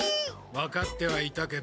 分かってはいたけど。